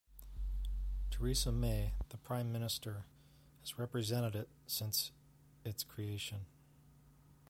Theresa May, the Prime Minister, has represented it since its creation.